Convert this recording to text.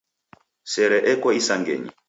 Sere eko isangenyi.